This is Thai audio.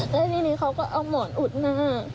แล้วทีนี้เขาก็เอาหมอนอุดหน้า